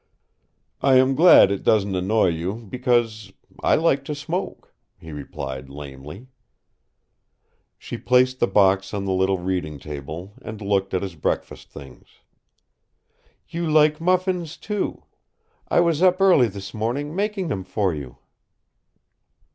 "I am glad it doesn't annoy you, because I like to smoke," he replied lamely. She placed the box on the little reading table and looked at his breakfast things. "You like muffins, too. I was up early this morning, making them for you!"